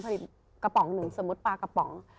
ผลิตกระป๋องหนึ่งสมมุติปลากระป๋อง